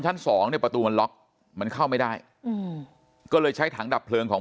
ชั้น๒ประตูมันล็อคมันเข้าไม่ได้ก็เลยใช้ถังดับเพลิงของ